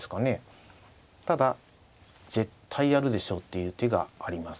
ただ絶対やるでしょうっていう手があります。